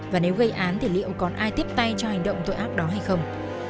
và nếu gây án thì liệu còn ai tiếp tay cho hành động tội ác đó hay không